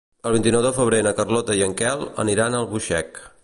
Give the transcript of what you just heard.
El vint-i-nou de febrer na Carlota i en Quel aniran a Albuixec.